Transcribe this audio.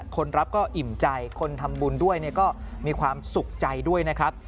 คนรับก็อิ่มใจคนทำบุญด้วยก็มีความสุขใจด้วยนะครับ